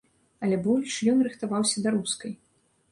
Але больш ён рыхтаваўся да рускай.